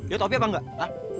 ya opi apa enggak